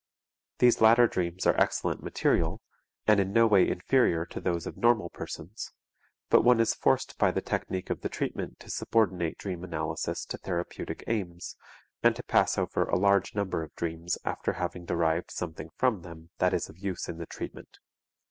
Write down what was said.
These latter dreams are excellent material, and in no way inferior to those of normal persons, but one is forced by the technique of the treatment to subordinate dream analysis to therapeutic aims and to pass over a large number of dreams after having derived something from them that is of use in the treatment.